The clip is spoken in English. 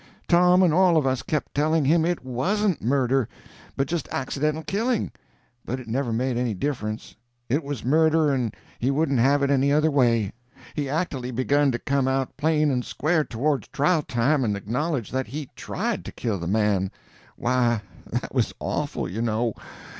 Tom and all of us kept telling him it wasn't murder, but just accidental killing! but it never made any difference—it was murder, and he wouldn't have it any other way. He actu'ly begun to come out plain and square towards trial time and acknowledge that he tried to kill the man. Why, that was awful, you know.